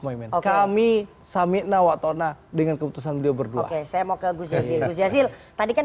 mohaimin kami samikna waktu ona dengan keputusan dia berdua oke saya mau ke gus yasil tadi kan